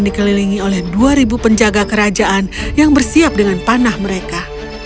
dikelilingi oleh dua penjaga kerajaan yang bersiap dengan panah mereka